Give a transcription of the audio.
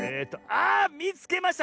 あみつけました！